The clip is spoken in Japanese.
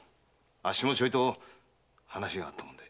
あっしもちょいと話があるんで。